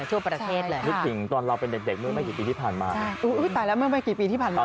ช่วยประเทศเลยตอนเราเป็นเด็กไม่ไปไกลปีที่ผ่านมา